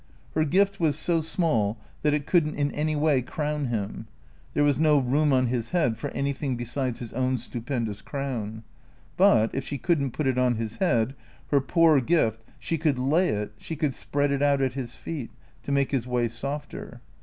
Her gift was so small that it could n't in any way crown him ; there was no room on his head for anything besides his own stupendous crown. But, if she could n't put it on his head, her poor gift, she could lay it, she could spread it out at his feet, to make his way softer.